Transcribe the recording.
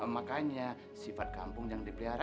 makanya sifat kampung jangan dipelihara